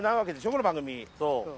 この番組。